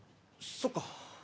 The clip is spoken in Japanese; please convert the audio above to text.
そっか。